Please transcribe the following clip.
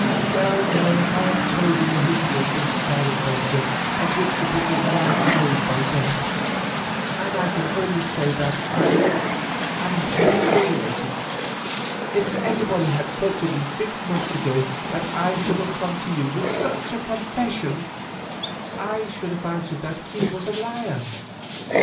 Well, Mary, I have told you the history of this sad adventure of which the book is now closed by death, and I can only say that I am humiliated. If anybody had said to me six months ago that I should have to come to you with such a confession, I should have answered that he was a liar.